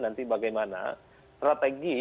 nanti bagaimana strategi